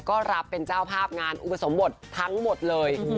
ก็รับเป็นเจ้าภาพงานอุปสมบททั้งหมดเลย